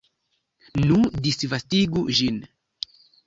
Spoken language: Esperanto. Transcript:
Nu, disvastigu ĝin!